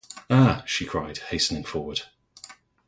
“Ah!” she cried, hastening forward.